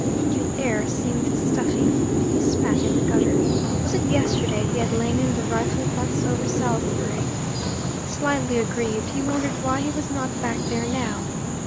The air seemed stuffy. He spat in the gutter. Was it yesterday he had lain in the rifle butts over Salisbury? Slightly aggrieved, he wondered why he was not back there now.